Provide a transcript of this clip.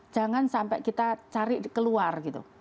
jangan sampai kita cari keluarga